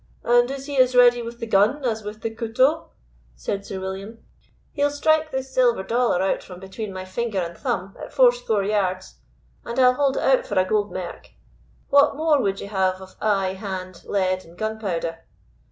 "And is he as ready with the gun as with the couteau?" said Sir William. "He'll strike this silver dollar out from between my finger and thumb at fourscore yards, and I'll hold it out for a gold merk; what more would ye have of eye, hand, lead, and gunpowder?"